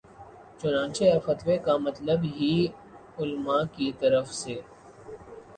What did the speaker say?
چنانچہ اب فتوے کا مطلب ہی علما کی طرف سے